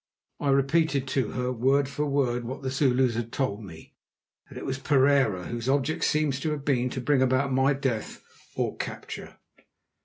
I repeated to her word for word what the Zulus had told me, that it was Pereira, whose object seems to have been to bring about my death or capture.